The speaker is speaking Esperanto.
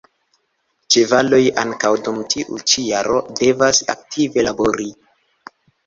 Ĉevaloj ankaŭ dum tiu ĉi jaro devas aktive labori.